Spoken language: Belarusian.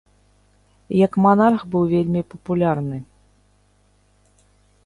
Як манарх быў вельмі папулярны.